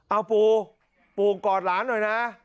เอาปูปูกอดหลานหน่อยนะ